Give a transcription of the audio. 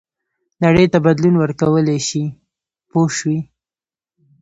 نړۍ ته بدلون ورکولای شي پوه شوې!.